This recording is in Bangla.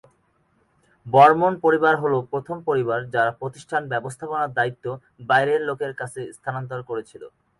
বর্মণ পরিবার হল প্রথম পরিবার যারা প্রতিষ্ঠান ব্যবস্থাপনার দায়িত্ব বাইরের লোকের কাছে স্থানান্তর করেছিল।